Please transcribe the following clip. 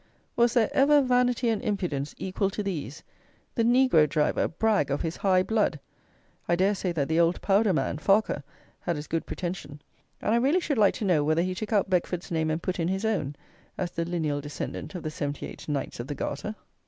Was there ever vanity and impudence equal to these! the negro driver brag of his high blood! I dare say that the old powder man, Farquhar, had as good pretension; and I really should like to know whether he took out Beckford's name and put in his own, as the lineal descendant of the seventy eight Knights of the Garter.